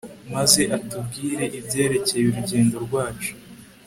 maze atubwire ibyerekeye urugendo rwacu